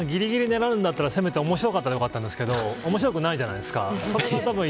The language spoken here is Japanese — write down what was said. ギリギリを狙うんだったらせめて面白かったらいいんですけどおもしろくないじゃないすか。